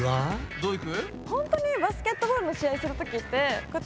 どういく？